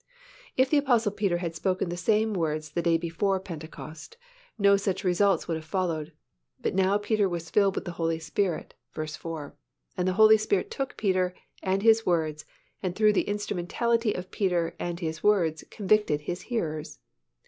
If the Apostle Peter had spoken the same words the day before Pentecost, no such results would have followed; but now Peter was filled with the Holy Spirit (v. 4) and the Holy Spirit took Peter and his words and through the instrumentality of Peter and his words convicted his hearers.